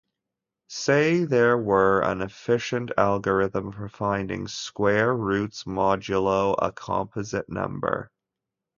Say there were an efficient algorithm for finding square roots modulo a composite number.